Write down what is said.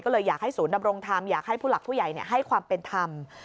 ก็เลยอยากให้ศูนย์ดำรงธรรมอยากให้ผู้หลักผู้ใหญ่ให้ความเป็นธรรม